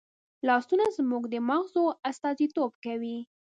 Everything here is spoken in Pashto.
لاسونه زموږ د مغزو استازیتوب کوي